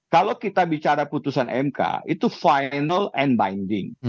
kalau kita bicara putusan mk itu final and binding